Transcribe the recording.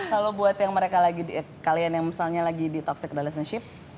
kalau buat yang mereka lagi di kalian yang misalnya lagi di toxic relationship